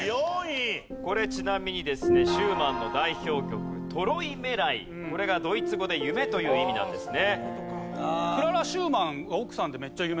これちなみにですねシューマンの代表曲『トロイメライ』これがドイツ語で「夢」という意味なんですね。